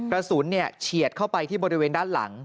เฉียดเข้าไปที่บริเวณด้านหลัง